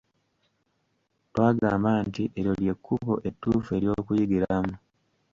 Twagamba nti eryo lye kkubo ettuufu ery'okuyigiramu.